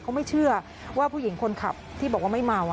เขาไม่เชื่อว่าผู้หญิงคนขับที่บอกว่าไม่เมา